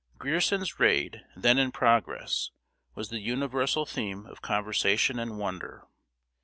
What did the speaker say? ] Grierson's raid, then in progress, was the universal theme of conversation and wonder.